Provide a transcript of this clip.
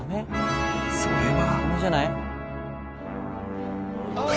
それは］